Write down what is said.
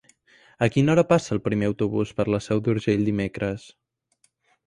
A quina hora passa el primer autobús per la Seu d'Urgell dimecres?